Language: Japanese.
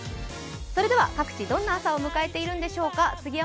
それでは各地、どんな朝を迎えているんでしょうか。